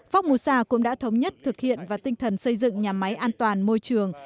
phong mùa xa cũng đã thống nhất thực hiện và tinh thần xây dựng nhà máy an toàn môi trường